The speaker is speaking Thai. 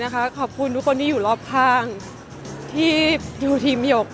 ขอบคุณทุกคนที่อยู่รอบข้างที่ดูทีมหยก